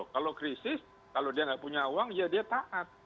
kalau krisis kalau dia nggak punya uang ya dia taat